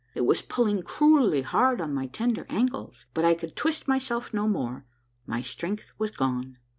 It was pull ing cruelly hard on my tender ankles, but I could twist myself no more ; my strength was gone.